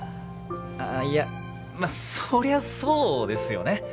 あぁいやまあそりゃそうですよね。